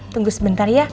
tunggu sebentar ya